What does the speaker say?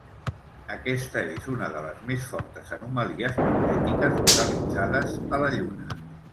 Aquesta és una de les més fortes anomalies magnètiques localitzades a la Lluna.